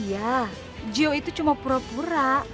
iya jio itu cuma pura pura